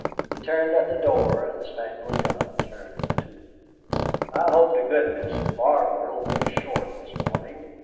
He turned at the door, and the spaniel John turned too. "I hope to goodness Barter'll be short this morning.